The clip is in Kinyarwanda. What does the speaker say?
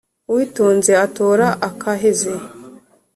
Uwitonze atora akaheze